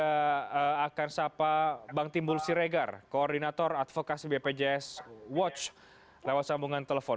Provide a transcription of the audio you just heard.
kita akan sapa bang timbul siregar koordinator advokasi bpjs watch lewat sambungan telepon